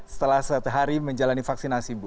setelah satu hari menjalani vaksinasi bu